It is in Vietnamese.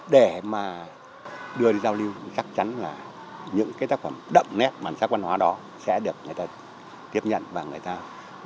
để mà đưa đi giao lưu chắc chắn là những cái tác phẩm đậm nét bản sắc văn hóa đó sẽ được người ta tiếp nhận và người ta